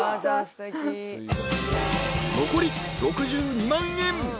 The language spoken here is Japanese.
［残り６２万円。